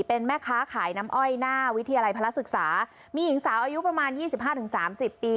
เป็นแม่ค้าขายน้ำอ้อยหน้าวิทยาลัยพระศึกษามีหญิงสาวอายุประมาณ๒๕๓๐ปี